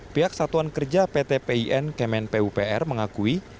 pihak satuan kerja pt pin kemen pupr mengakui